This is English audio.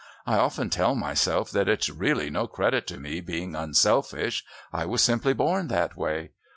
I often tell myself that it's really no credit to me being unselfish. I was simply born that way.